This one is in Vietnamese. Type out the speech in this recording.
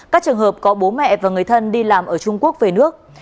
các trường hợp có bố mẹ và người thân đi làm ở trung quốc về nước